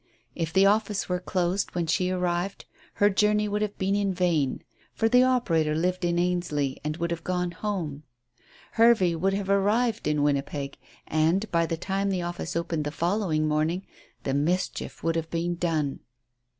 If the office were closed when she arrived, her journey would have been in vain, for the operator lived in Ainsley and would have gone home; Hervey would have arrived in Winnipeg, and, by the time the office opened the following morning, the mischief would have been done.